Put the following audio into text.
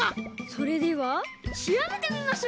それではしらべてみましょう！